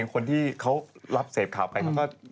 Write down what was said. คนที่เขารับเสพข่าวไปเขาก็